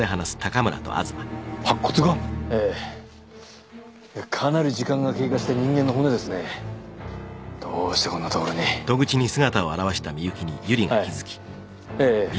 ええかなり時間が経過した人間の骨ですねどうしてこんな所にはいええいや